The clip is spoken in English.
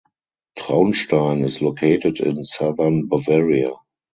Traunstein is located in southern Bavaria.